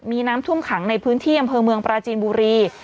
มีน้ำท่วมขังในพื้นที่อำเภอเมืองปราจีนบุรี